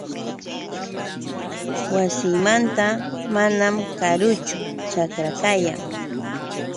Wasiymanta manam karuchu ćhakra kayan.